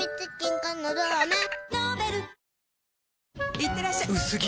いってらっしゃ薄着！